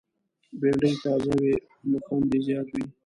بېنډۍ تازه وي، نو خوند یې زیات وي